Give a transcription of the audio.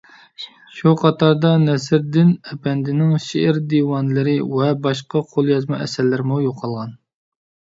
شۇ قاتاردا نەسرىدىن ئەپەندىنىڭ شېئىر دىۋانلىرى ۋە باشقا قوليازما ئەسەرلىرىمۇ يوقالغان.